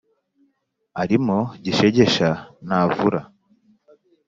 “arimo gishegesha ntavura“.